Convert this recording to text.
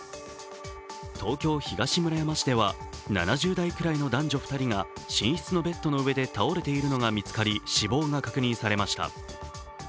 東京・東村山市では７０代くらいの男女２人が寝室のベッドの上で倒れているのが見つかり死亡が確認されました。